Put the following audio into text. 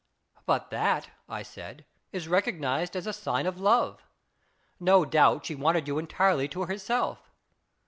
" But that," I said, " is recognized as a sign of love. No doubt, she wanted you entirely to herself.